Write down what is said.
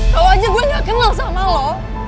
tau aja gue gak kenal sama lo